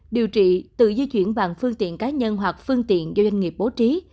điều trị tự di chuyển bằng phương tiện cá nhân hoặc phương tiện do doanh nghiệp bố trí